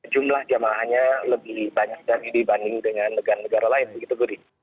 jumlah jemaahnya lebih banyak dibanding dengan negara negara lain begitu budi